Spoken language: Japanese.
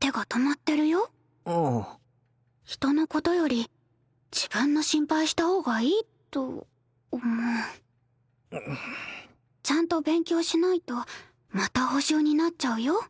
手が止まってるよあ人のことより自分の心配した方がいいと思うちゃんと勉強しないとまた補習になっちゃうよ